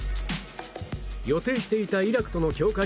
予定していたイラクとの強化